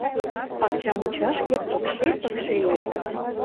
Пакча мучашке пыкше-пыкше лектыт.